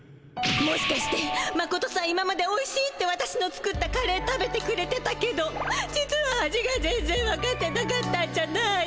もしかしてマコトさん今まで「おいしい」って私の作ったカレー食べてくれてたけど実は味が全ぜんわかってなかったんじゃない？